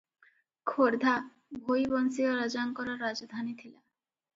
ଖୋର୍ଦା ଭୋଇବଂଶୀୟ ରାଜାଙ୍କର ରାଜଧାନୀ ଥିଲା ।